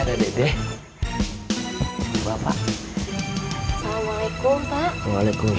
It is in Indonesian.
ada yang berlomba lomba mengumpulkan dosa